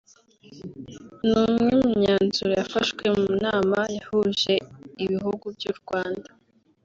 ni umwe mu myanzuro yafashwe mu nama yahuje ibihugu by’u Rwanda